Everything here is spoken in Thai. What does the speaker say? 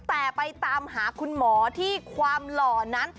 แต่ไปตามหาคุณหมอที่ความหล่อนั้น